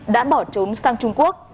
đã bỏ trốn sang trung quốc